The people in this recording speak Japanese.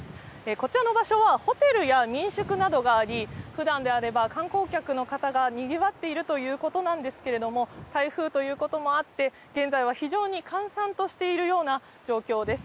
こちらの場所はホテルや民宿などがあり、普段であれば観光客の方が賑わっているということなんですけれども、台風ということもあって、現在は非常に閑散としているような状況です。